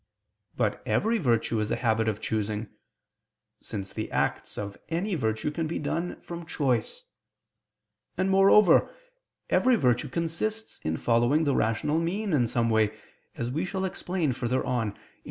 But every virtue is a habit of choosing: since the acts of any virtue can be done from choice. And, moreover, every virtue consists in following the rational mean in some way, as we shall explain further on (Q.